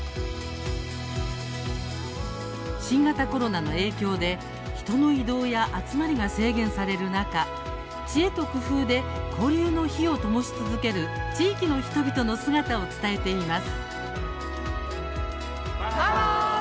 新型コロナの影響で人の移動や集まりが制限される中知恵と工夫で交流の火をともし続ける地域の人々の姿を伝えています。